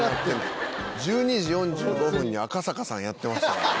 １２時４５分に赤坂さんやってましたからね。